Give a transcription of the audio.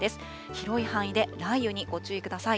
広い範囲で雷雨にご注意ください。